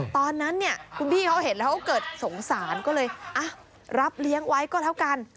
ตอนนั้นเนี่ยคุณพี่เขาเห็นแล้วเขาเกิดสงสารก็เลยรับเลี้ยงไว้ก็แล้วกัน